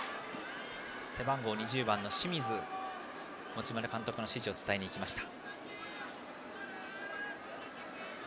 背番号２０番の清水が持丸監督の指示を伝えにいきました。